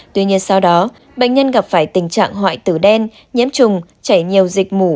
tuy nhiên sau đó bệnh nhân gặp phải tình trạng hoại tử đen nhiễm trùng chảy nhiều dịch mù